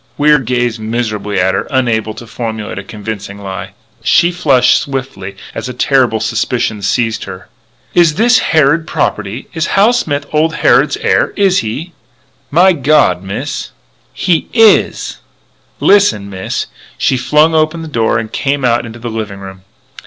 Wier gazed miserably at her, unable to formulate a convincing lie. She flushed swiftly as a terrible suspicion seized her: "Is this Harrod property? Is Hal Smith old Harrod's heir? Is he?" "My God, Miss " "He is!" "Listen, Miss " She flung open the door and came out into the living room.